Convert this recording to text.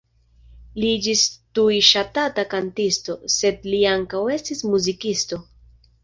Li iĝis tuj ŝatata kantisto, sed li ankaŭ estis muzikisto.